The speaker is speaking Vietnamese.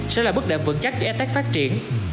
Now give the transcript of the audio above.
sẽ là bước đẩm vững chắc để tác phát triển